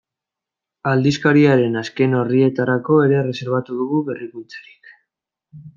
Aldizkariaren azken orrietarako ere erreserbatu dugu berrikuntzarik.